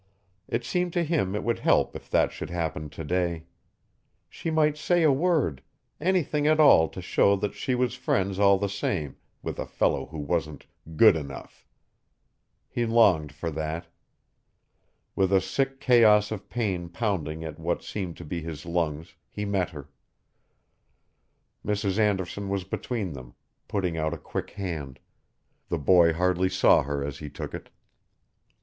It seemed to him it would help if that should happen today. She might say a word; anything at all to show that she was friends all the same with a fellow who wasn't good enough. He longed for that. With a sick chaos of pain pounding at what seemed to be his lungs he met her. Mrs. Anderson was between them, putting out a quick hand; the boy hardly saw her as he took it.